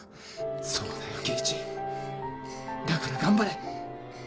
そうだよ喜市だから頑張れ！